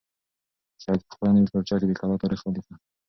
سعید په خپله نوې کتابچه کې د کلا تاریخ ولیکه.